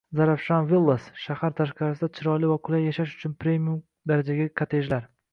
Zarafshan Villas — shahar tashqarisida chiroyli va qulay yashash uchun premium darajadagi kottejlar